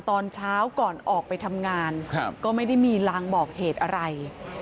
ตอนเช้าก่อนออกไปทำงานก็ไม่ได้มีลางบอกเหตุอะไร